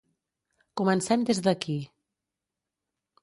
Comencem des d'aquí.